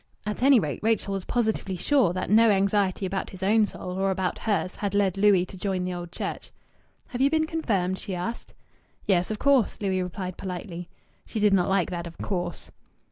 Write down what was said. At any rate, Rachel was positively sure that no anxiety about his own soul or about hers had led Louis to join the Old Church. "Have you been confirmed?" she asked. "Yes, of course," Louis replied politely. She did not like that "of course."